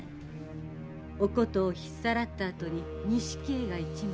お琴を引っさらったあとに錦絵が一枚。